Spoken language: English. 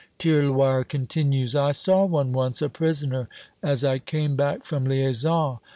Tirloir continues: "I saw one once, a prisoner, as I came back from liaison.